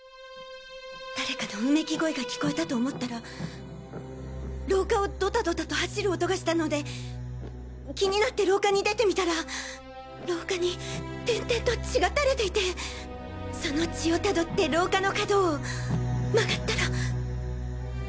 誰かのうめき声が聞こえたと思ったら廊下をドタドタと走る音がしたので気になって廊下に出てみたら廊下に点々と血が垂れていてその血をたどって廊下の角を曲がったら。